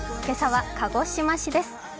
今朝は鹿児島市です。